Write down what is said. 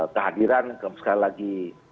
kehadiran sekali lagi